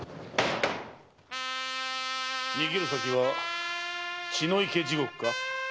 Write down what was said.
⁉逃げる先は血の池地獄か？